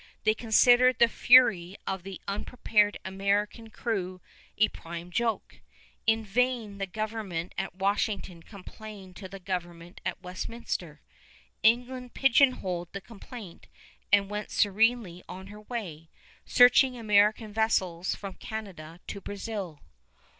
They considered the fury of the unprepared American crew a prime joke. In vain the government at Washington complained to the government at Westminster. England pigeonholed the complaint and went serenely on her way, searching American vessels from Canada to Brazil.